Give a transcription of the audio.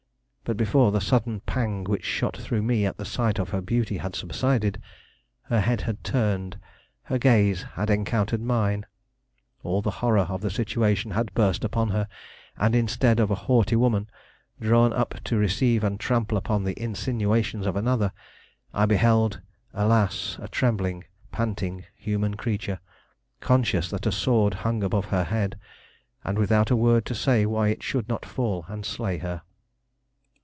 But before the sudden pang which shot through me at the sight of her beauty had subsided, her head had turned, her gaze had encountered mine; all the horror of the situation had burst upon her, and, instead of a haughty woman, drawn up to receive and trample upon the insinuations of another, I beheld, alas! a trembling, panting human creature, conscious that a sword hung above her head, and without a word to say why it should not fall and slay her.